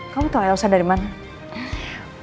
kamu tahu elsa dari mana